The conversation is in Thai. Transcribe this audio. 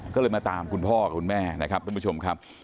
ก็เลยมาตามคุณพ่อคุณแม่นะครับทุกผู้ชมครับ